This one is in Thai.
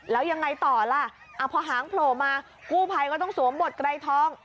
แล้วยังไงต่อล่ะพอหางโผล่มากู้ภัยก็ต้องสวมบทไกรทอง